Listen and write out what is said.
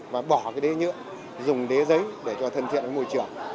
và bỏ đế nhựa dùng đế giấy để cho thân thiện môi trường